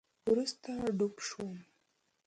وروسته ډوب شوم